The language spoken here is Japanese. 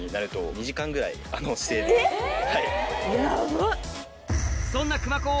えっ！